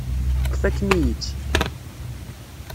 Tfakem-iyi-tt.